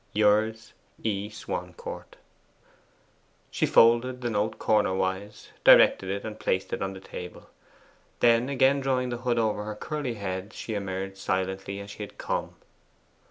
Yours, E. SWANCOURT.' She folded the note cornerwise, directed it, and placed it on the table. Then again drawing the hood over her curly head she emerged silently as she had come.